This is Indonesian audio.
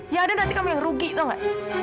ya ada nanti kamu yang rugi gitu gak